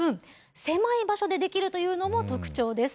狭い場所でできるというのも特徴です。